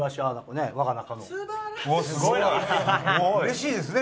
うれしいですね。